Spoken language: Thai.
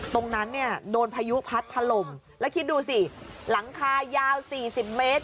ตรงนั้นเนี่ยโดนพายุพัดถล่มแล้วคิดดูสิหลังคายาว๔๐เมตร